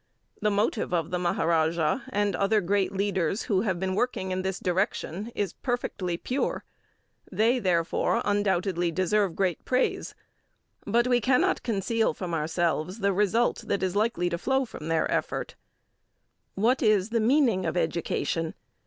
The motive of the Maharaja and other great leaders who have been working in this direction is perfectly pure. They, therefore, undoubtedly deserve great praise. But we cannot conceal from ourselves the result that is likely to flow from their effort. What is the meaning of education?